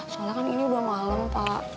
soalnya kan ini udah malam pak